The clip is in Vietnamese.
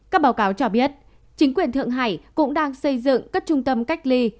các báo cáo cho biết chính quyền thượng hải cũng đang xây dựng các trung tâm cách ly